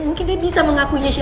mungkin dia bisa mengakuinya chef